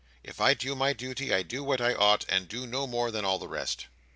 If I do my duty, I do what I ought, and do no more than all the rest."